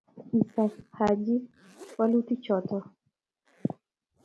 kisas Haji wolutichoto